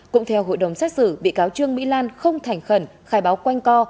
cũng theo hội đồng xét xử bị cáo trương mỹ lan không thành khẩn khai báo quanh co